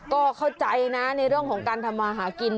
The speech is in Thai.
ก็เข้าใจนะในเรื่องของการทำมาหากิน